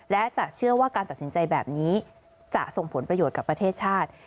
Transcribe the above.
และจะเชื่อว่าการตัดสินใจแบบนี้จะส่งผลประโยชน์กับประเทศชาติ